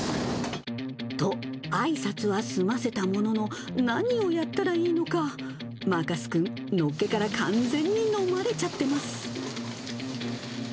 と、あいさつは済ませたものの、何をやったらいいのか、マーカス君、のっけから完全にのまれちゃってます。